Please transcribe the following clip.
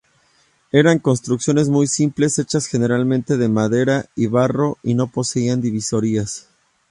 Eran construcciones muy simples hechas generalmente de madera y barro y no poseían divisorias.